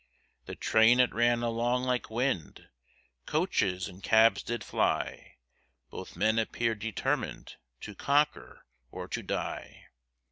The train it ran along like wind, Coaches and cabs did fly, Both men appeared determined To conquer or to die.